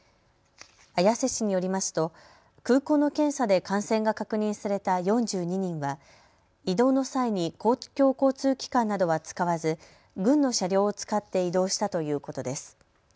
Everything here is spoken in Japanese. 綾瀬市によりますと空港の検査で感染が確認された４２人は移動の際に公共交通機関などは使わず、軍の車両を使って移動したということです。